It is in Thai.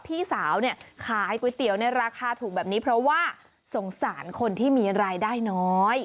พี่สาวเนี่ยขายก๋วยเตี๋ยวในราคาถูกแบบนี้เพราะว่าสงสารคนที่มีรายได้น้อย